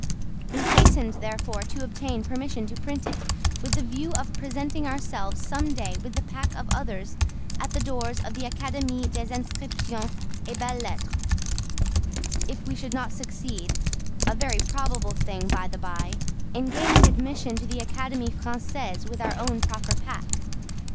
We hastened, therefore, to obtain permission to print it, with the view of presenting ourselves someday with the pack of others at the doors of the Académie des Inscriptions et Belles Lettres, if we should not succeed—a very probable thing, by the by—in gaining admission to the Académie Française with our own proper pack.